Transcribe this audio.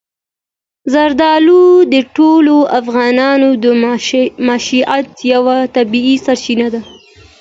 زردالو د ټولو افغانانو د معیشت یوه طبیعي سرچینه ده.